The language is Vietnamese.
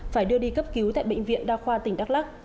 phải đưa đi cấp cứu tại bệnh viện đa khoa tỉnh đắk lắc